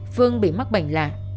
phương bị mắc bệnh lạ